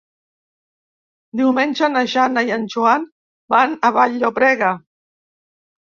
Diumenge na Jana i en Joan van a Vall-llobrega.